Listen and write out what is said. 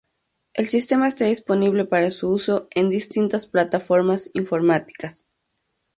El sistema está disponible para su uso en distintas plataformas informáticas.